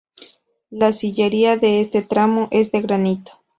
La sillería de este tramo es de granito.